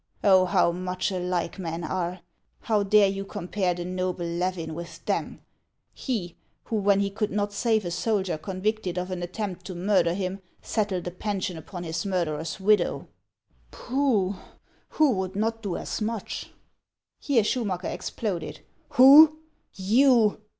Oh, how much alike men are ! How dare you compare the noble Levin with them, — he who, when he could not save a soldier con victed of an attempt to murder him, settled a pension upon his murderer's widow ?"" Pooh ! who would not do as much ?" Here Schumacker exploded. " Who ? You